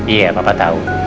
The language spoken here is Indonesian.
iya papa tau